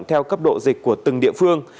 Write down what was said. theo cấp độ dịch của từng địa phương